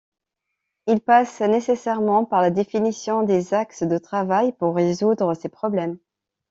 Il passe nécessairement par la définition des axes de travail pour résoudre ces problèmes.